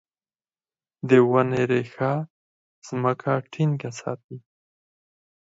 د ونې ریښه ځمکه ټینګه ساتي.